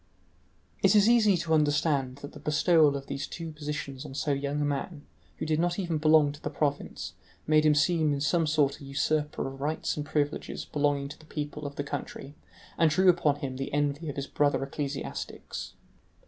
It is easy to understand that the bestowal of these two positions on so young a man, who did not even belong to the province, made him seem in some sort a usurper of rights and privileges belonging to the people of the country, and drew upon him the envy of his brother ecclesiastics.